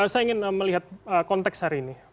saya ingin melihat konteks hari ini